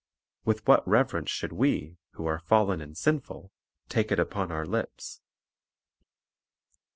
With what reverence should we, who are fallen and sinful, take it upon our lips!